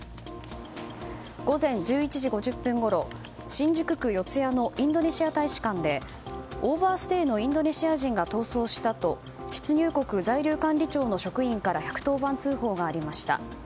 午前１１時５０分ごろ新宿区四谷のインドネシア大使館でオーバーステイのインドネシア人が逃走したと出入国在留管理庁の職員から１１０番通報がありました。